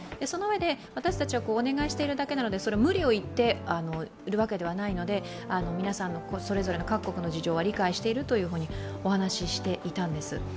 そのうえで、私たちがお願いしているだけなので、無理を言っているわけではないので皆さんそれぞれの各国の事情は理解しているとお話ししていたんです。